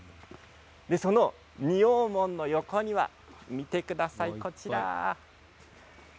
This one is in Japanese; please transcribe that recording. その仁王門の横には見てください、こちら。